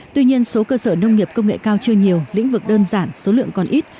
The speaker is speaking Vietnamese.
tuy nhiên số cơ sở nông nghiệp công nghệ cao chưa nhiều lĩnh vực đơn giản số lượng còn ít